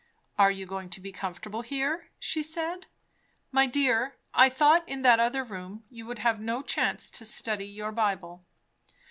"Are you going to be comfortable here?" she said. "My dear, I thought, in that other room you would have no chance to study your Bible."